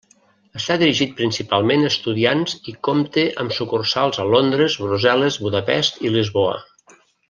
Està dirigit principalment a estudiants i compte amb sucursals a Londres, Brussel·les, Budapest i Lisboa.